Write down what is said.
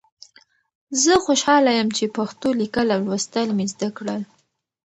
زه خوشحاله یم چې پښتو لیکل او لوستل مې زده کړل.